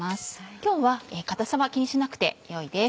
今日は硬さは気にしなくてよいです。